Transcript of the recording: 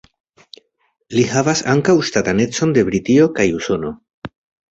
Li havas ankaŭ ŝtatanecon de Britio kaj Usono.